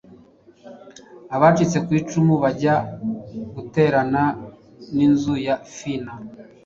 Abacitse ku icumu bajya guturana n inzu ya Fina